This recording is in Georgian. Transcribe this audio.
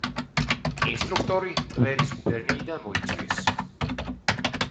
ინსტრუქტორი ტვერის გუბერნიიდან მოიწვიეს.